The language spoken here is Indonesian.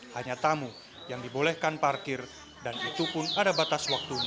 hanya tamu yang dibolehkan parkir dan itu pun ada batas waktunya